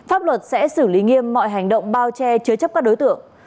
họ sẽ xử lý nghiêm mọi hành động bao che chứa chấp các đối tượng